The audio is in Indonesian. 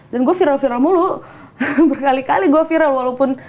gue viral viral mulu berkali kali gue viral walaupun